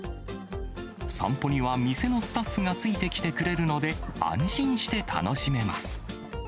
散歩には店のスタッフがついてきてくれるので、安心して楽しめます。